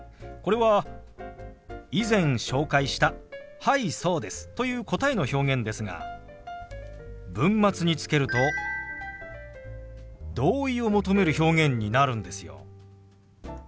これは以前紹介した「はいそうです」という答えの表現ですが文末につけると同意を求める表現になるんですよ。